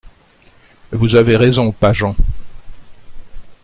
«Vous avez raison, Pageant.